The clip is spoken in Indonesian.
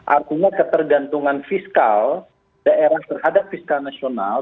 artinya ketergantungan fiskal daerah terhadap fiskal nasional